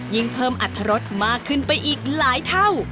ยิ่งเพิ่มอัตรรสมากขึ้นไปอีกหลายเท่า